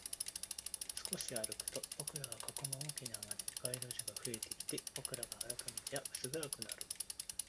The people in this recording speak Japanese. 少し歩くと、僕らを囲む大きな街路樹が増えてきて、僕らが歩く道は薄暗くなる